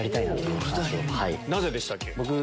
なぜでしたっけ？